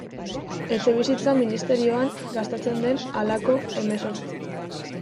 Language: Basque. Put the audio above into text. Etxebizitza ministerioan gastatzen den halako hemezortzi.